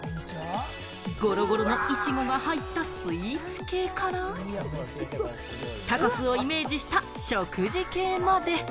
ゴロゴロのイチゴが入ったスイーツ系から、タコスをイメージした食事系まで。